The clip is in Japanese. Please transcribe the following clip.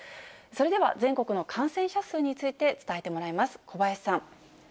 それでは、全国の感染者数について伝えてもらいます、小林さん。